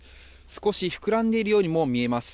少し膨らんでいるようにも見えます。